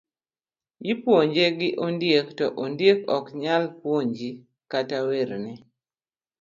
Ipuonje gi ondiek to ondiek ok nyal puonji kata werne.